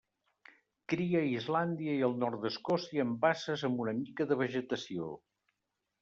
Cria a Islàndia i al nord d'Escòcia en basses amb una mica de vegetació.